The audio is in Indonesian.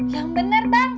yang benar bang